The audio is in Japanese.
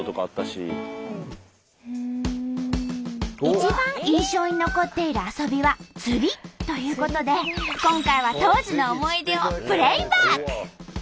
一番印象に残っている遊びは釣りということで今回は当時の思い出をプレイバック！